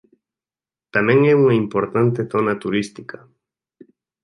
Tamén é unha importante zona turística.